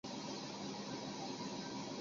托拉杜什是葡萄牙波尔图区的一个堂区。